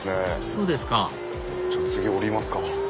そうですか次降りますか。